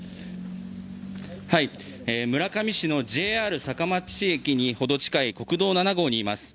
村上市のＪＲ坂町駅にほど近い国道７号にいます。